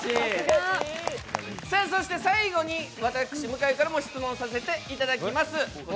最後に私、向井からも質問させていただきます。